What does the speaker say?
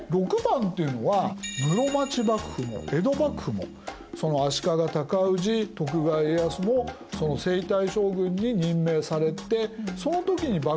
⑥っていうのは室町幕府も江戸幕府も足利尊氏徳川家康も征夷大将軍に任命されてその時に幕府が出来た。